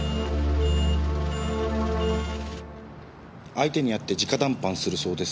相手に会って直談判するそうです。